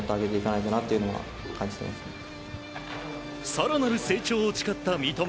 更なる成長を誓った三笘。